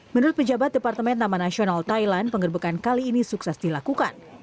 menurut pejabat departemen taman nasional thailand penggerbekan kali ini sukses dilakukan